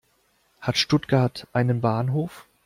Hat Stuttgart einen Bahnhof?